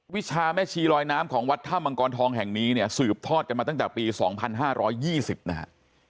วิชาแม่ชีลอยน้ำของวัดถ้ำมังกรทองแห่งนี้เนี่ยสืบทอดกันมาตั้งแต่ปี๒๕๒๐นะฮะ